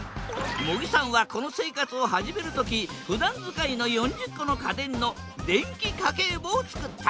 茂木さんはこの生活を始める時ふだん使いの４０個の家電の電気家計簿を作った。